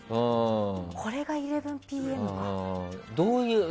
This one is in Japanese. これが「１１ＰＭ」か。